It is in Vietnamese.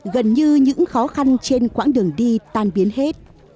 gần như những khó khăn trên quãng đường đi tan biến hết